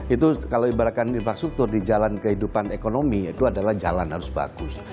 itu kalau ibaratkan infrastruktur di jalan kehidupan ekonomi itu adalah jalan harus bagus